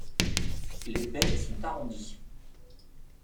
Les baies sont arrondies.